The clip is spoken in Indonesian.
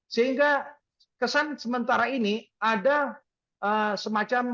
sehingga kesan sementara ini ada semacam